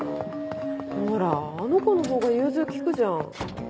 ほらあの子のほうが融通利くじゃん。